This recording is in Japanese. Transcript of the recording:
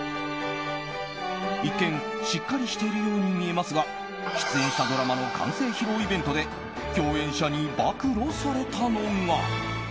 一見、しっかりしているように見えますが出演したドラマの完成披露イベントで共演者に暴露されたのが。